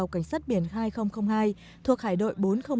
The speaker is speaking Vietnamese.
cảnh sát biển hai nghìn hai thuộc hải đội bốn trăm linh hai